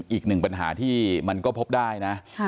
อีกหนึ่งปัญหาที่มันก็พบได้นะ